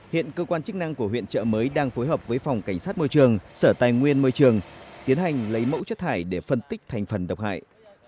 hiện cơ quan chức năng của huyện trợ mới đang phối hợp với phòng cảnh sát môi trường sở tài nguyên môi trường tiến hành lấy mẫu chất thải để phân tích thành phần độc hại